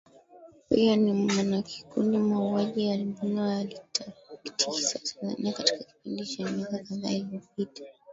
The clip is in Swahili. pia ni mwanakikundi Mauaji ya Albino yalitikisa Tanzania katika kipindi cha miaka kadhaa iliyopita